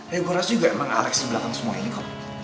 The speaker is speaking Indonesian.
ya gue rasanya juga emang alex yang di belakang semua ini kok